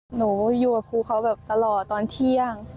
หนูอยู่กับครูเขาแบบตลอดตอนเที่ยง